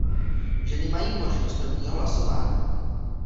Ženy mají možnost prvního hlasování.